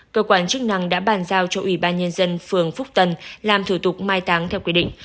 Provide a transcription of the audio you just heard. cơ quan chức năng đã bàn giao cho ủy ban nhân dân phường phúc tân làm thủ tục mai táng theo quy định